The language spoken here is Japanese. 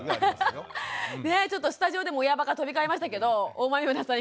ちょっとスタジオでも親バカ飛び交いましたけど大豆生田さん